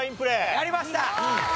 やりました！